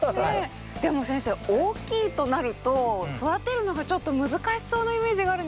でも先生大きいとなると育てるのがちょっと難しそうなイメージがあるんですけど。